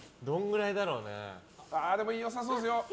でも良さそうですよ。